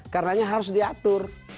karena harus diatur